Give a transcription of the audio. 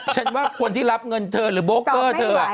ฉันว่าคนที่รับเงินเธอหรือโบกเกอร์เธอ